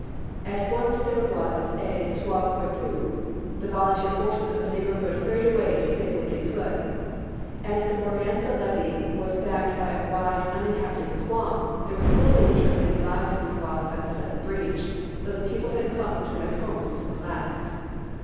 At once there was a sauve qui peut. The volunteer forces of the neighborhood hurried away to save what they could. As the Morganza levee was backed by a wide uninhabited swamp, there was little danger of any lives being lost by the sudden breach, though the people had clung to their homes to the last.